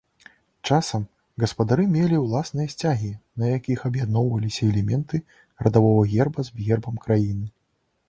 Часам, гаспадары мелі ўласныя сцягі, на якіх аб'ядноўваліся элементы радавога герба з гербам краіны.